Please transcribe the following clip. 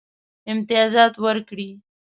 امتیازات ورکړي.